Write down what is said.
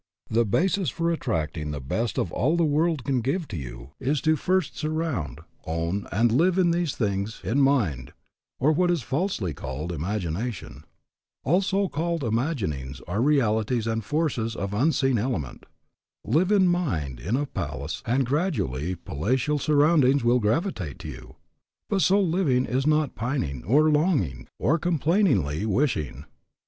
"The basis for attracting the best of all the world can give to you is to first surround, own, and live in these things in mind, or what is falsely called imagination. All so called imaginings are realities and forces of unseen element. Live in mind in a palace and gradually palatial surroundings will gravitate to you. But so living is not pining, or longing, or complainingly wishing.